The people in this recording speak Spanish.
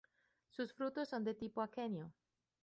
Sus frutos son de tipo aquenio.